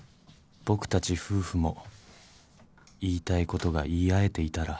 僕たち夫婦も言いたいことが言い合えていたら。